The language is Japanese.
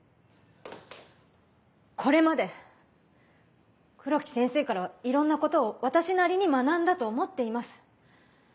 これまで黒木先生からはいろんなことを私なりに学んだと思っています。